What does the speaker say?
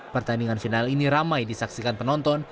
pertandingan final ini ramai disaksikan penonton